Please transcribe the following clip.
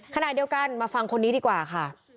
ขณะเดียวกันมาฟังคนนี้ดีกว่าค่ะ